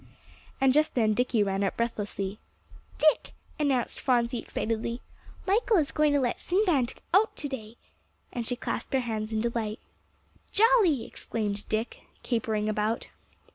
And just then Dicky ran up breathlessly. "Dick," announced Phronsie excitedly, "Michael is going to let Sinbad out to day." And she clasped her hands in delight. "Jolly!" exclaimed Dick, capering about.